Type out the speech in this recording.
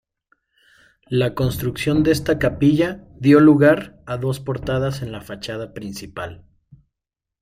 La construcción de esta capilla dio lugar a dos portadas en la fachada principal.